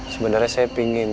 sebenernya saya pingin